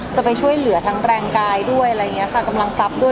แล้วก็จะไปช่วยเหลือทั้งแรงกายด้วยกำลังทรัพย์ด้วย